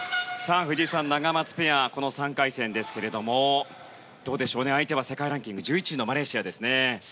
藤井さん、ナガマツペアの３回戦ですけれどもどうでしょう、相手は世界ランキング１１位のマレーシアですね。